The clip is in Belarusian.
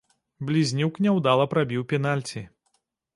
Блізнюк няўдала прабіў пенальці.